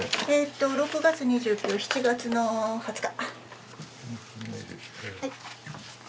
６月２９７月の２０日。